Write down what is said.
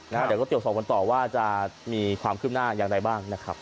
เดี๋ยวก็ตรวจสอบกันต่อว่าจะมีความคืบหน้าอย่างไรบ้างนะครับ